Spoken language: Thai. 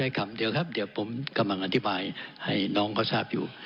คำเดียวครับเดี๋ยวผมกำลังอธิบายให้น้องเขาทราบอยู่